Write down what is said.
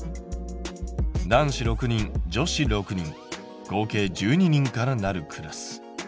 男子６人女子６人合計１２人からなるクラス。